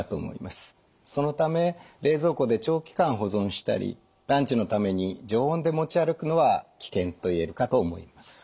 そのため冷蔵庫で長期間保存したりランチのために常温で持ち歩くのは危険といえるかと思います。